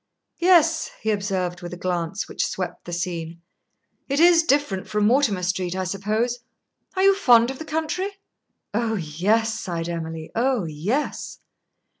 "Yes," he observed, with a glance which swept the scene, "it is different from Mortimer Street, I suppose. Are you fond of the country?" "Oh, yes," sighed Emily; "oh, yes!"